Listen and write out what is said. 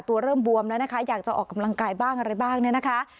เริ่มบวมแล้วนะคะอยากจะออกกำลังกายบ้างอะไรบ้างเนี่ยนะคะ